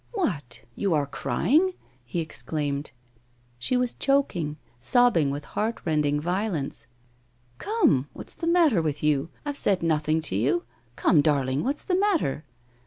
'What! you are crying?' he exclaimed. She was choking, sobbing with heart rending violence. 'Come, what's the matter with you? I've said nothing to you. Come, darling, what's the matter?